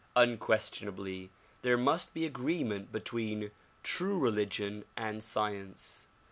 Unquestionably there must be agree ment between true religion and science.